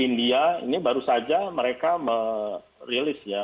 india ini baru saja mereka merilis ya